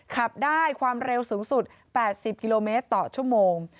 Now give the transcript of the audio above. ขับได้ความเร็วสูงสุด๘๐กิโลเมตรต่อชั่วโมง